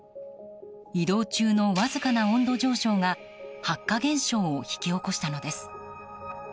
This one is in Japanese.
移動中のわずかな温度上昇が白化現象を引き起こしたのです。